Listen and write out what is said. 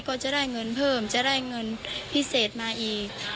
ก็จะได้เงินเพิ่มจะได้เงินพิเศษมาอีก